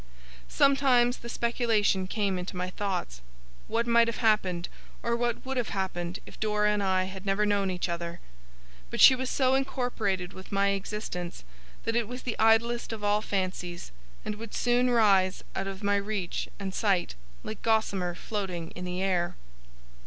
Sometimes, the speculation came into my thoughts, What might have happened, or what would have happened, if Dora and I had never known each other? But she was so incorporated with my existence, that it was the idlest of all fancies, and would soon rise out of my reach and sight, like gossamer floating in the air.